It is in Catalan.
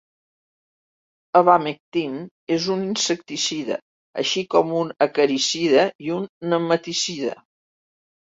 Abamectin és un insecticida, així com un acaricida i un nematicida.